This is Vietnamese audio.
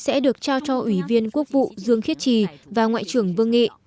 các vị trí sẽ được trao cho ủy viên quốc vụ dương khiết trì và ngoại trưởng vương nghị